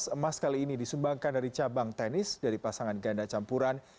sebelas emas kali ini disumbangkan dari cabang tenis dari pasangan ganda campuran